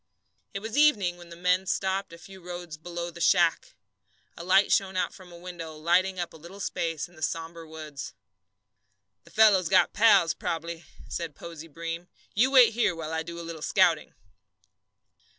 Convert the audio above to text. It was evening when the men stopped a few rods below the shack. A light shone out from a window, lighting up a little space in the sombre woods. "The fellow's got pals prob'bly," said Posey Breem. "You wait here while I do a little scouting."